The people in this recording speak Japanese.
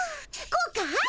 こうかい？